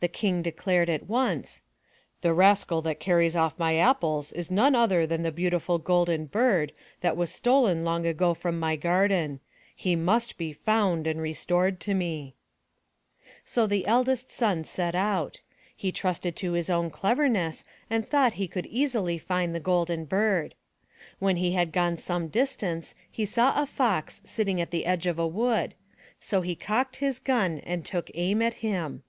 The King declared at once: *The rascal that carries off my apples is none other than the beautiful Golden Bird that was stolen long ago from my garden. He must be foimd and restored to me/' 292 THROUGH FAIRY HALLS So the eldest son set out. He trusted to his own cleverness and thought he would easily find the Golden Bird. When he had gone some distance he saw a Fox sitting at the edge of a wood. So he cocked his gun and took aim at him.